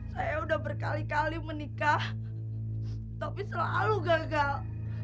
saya udah berkali kali menikah tapi selalu gagal